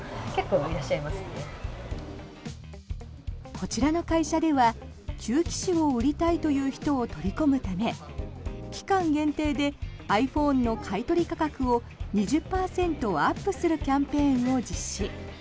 こちらの会社では旧機種を売りたいという人を取り込むため期間限定でｉＰｈｏｎｅの買い取り価格を２０％アップするキャンペーンを実施。